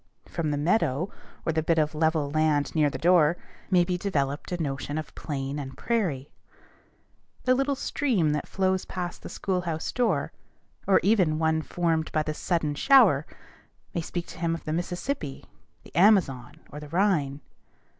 From the meadow, or the bit of level land near the door, may be developed a notion of plain and prairie. The little stream that flows past the schoolhouse door, or even one formed by the sudden shower, may speak to him of the Mississippi, the Amazon, or the Rhine.